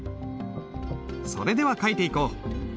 それでは書いていこう。